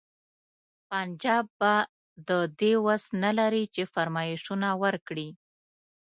پنجاب به د دې وس نه لري چې فرمایشونه ورکړي.